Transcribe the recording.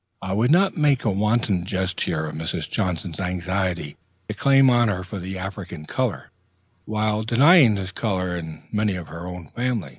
I would not make a wanton jest here of Mrs. Johnson's anxiety to claim honor for the African color, while denying this color in many of her own family.